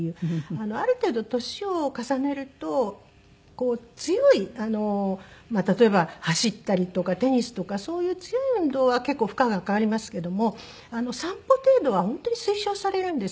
ある程度年を重ねるとこう強い例えば走ったりとかテニスとかそういう強い運動は結構負荷がかかりますけども散歩程度は本当に推奨されるんですよね。